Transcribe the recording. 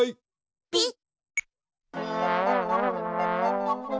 ピッ。